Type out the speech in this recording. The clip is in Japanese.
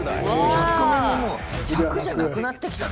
「１００カメ」ももう１００じゃなくなってきたね